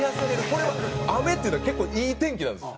これは雨っていうのは結構いい天気なんです。